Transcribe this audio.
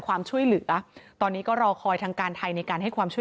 ความช่วยเหลือตอนนี้ก็รอคอยทางการไทยในการให้ความช่วย